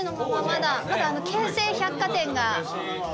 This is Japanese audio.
まだあの京成百貨店が。